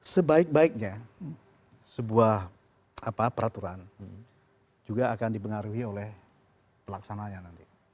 sebaik baiknya sebuah peraturan juga akan dipengaruhi oleh pelaksananya nanti